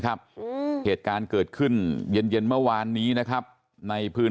เหตุการณ์เกิดขึ้นเย็นเย็นเมื่อวานนี้นะครับในพื้น